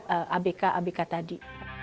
untuk abk abk tadi